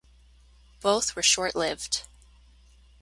Both were short-lived.